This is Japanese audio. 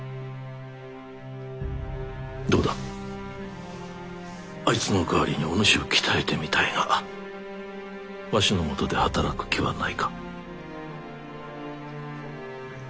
どうだあいつの代わりにお主を鍛えてみたいがわしのもとで働く気はないか？